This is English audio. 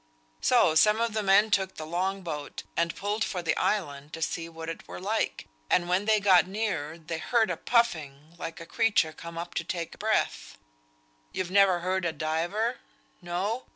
So some of the men took the long boat, and pulled for the island to see what it were like; and when they got near, they heard a puffing, like a creature come up to take breath; you've never heard a diver? No!